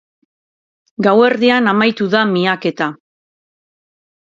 Gauerdian amaitu da miaketa.